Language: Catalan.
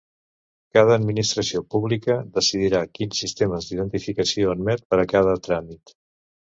Cada administració pública decidirà quins sistemes d'identificació admet per a cada tràmit.